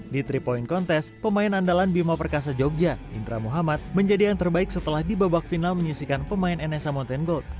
di tiga point contest pemain andalan bima perkasa jogja indra muhammad menjadi yang terbaik setelah di babak final menyisikan pemain nsa mountain gold